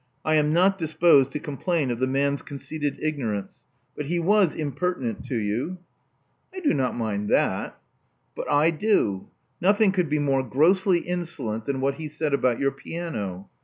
I am not disposed to complain of the man's conceited ignorance. But he was impertinent to you." *'I do not mind that." '* But I do. Nothing could be more grossly insolent than what he said about your piano.